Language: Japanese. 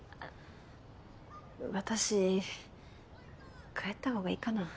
私帰った方がいいかな？